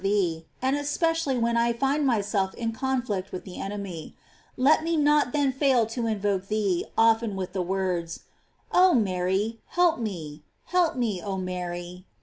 167 thee, and especially when I find myself in conflict with the enemy; let me not then fail to invoke thee often with the words: "Oh Mary, help me, help me, oh Mary."